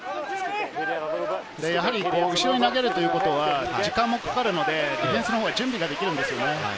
やはり後ろに投げるということは時間もかかるのでディフェンスも準備ができるんですよね。